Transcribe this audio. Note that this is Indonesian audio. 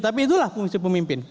tapi itulah fungsi pemimpin